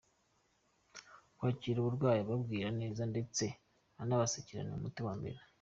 Kwakira abarwayi ubabwira neza ndetse unabasekera ni umuti wa mbere.